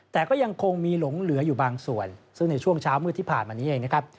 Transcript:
แต่ก็ยังคงมีหลงเหลืออยู่บางส่วนซึ่งในช่วงเช้ามืดที่ผ่านมานี้เองนะครับ